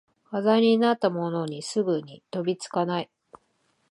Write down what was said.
話題になったものにすぐに飛びつかない